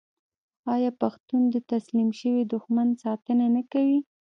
آیا پښتون د تسلیم شوي دښمن ساتنه نه کوي؟